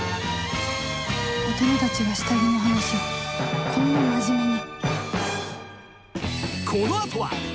大人たちが下着の話をこんな真面目に